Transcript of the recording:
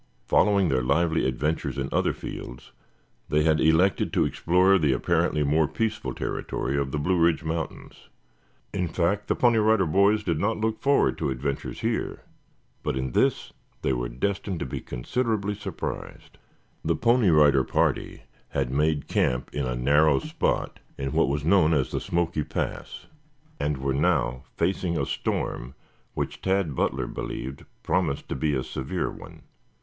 Following their lively adventures in other fields, they had elected to explore the apparently more peaceful territory of the Blue Ridge Mountains. In fact, the Pony Rider Boys did not look forward to adventures here, but in this they were destined to be considerably surprised. The Pony Rider party had made camp in a narrow spot in what was known as Smoky Pass, and were now facing a storm which Tad Butler believed promised to be a severe one.